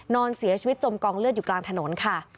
นอนเสียชีวิตจมกองเลือดอยู่กลางถนนค่ะ